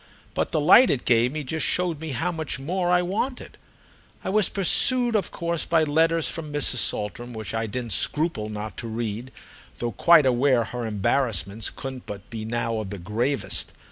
But the light it gave me just showed me how much more I wanted. I was pursued of course by letters from Mrs. Saltram which I didn't scruple not to read, though quite aware her embarrassments couldn't but be now of the gravest.